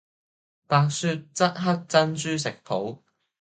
白雪黑珍珠食譜